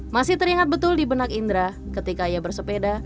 masih teringat betul di benak indra ketika ia bersepeda